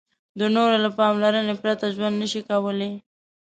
د نورو له پاملرنې پرته ژوند نشي کولای.